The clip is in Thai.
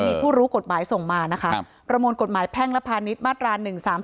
มีผู้รู้กฎหมายส่งมานะคะประมวลกฎหมายแพ่งและพาณิชย์มาตรา๑๓๓